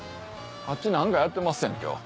あっち何かやってますね今日。